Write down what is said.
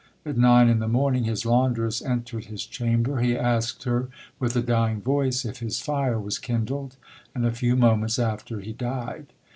At nine in the morning his laundress entered his chamber; he asked her, with a dying voice, if his fire was kindled? and a few moments after he died."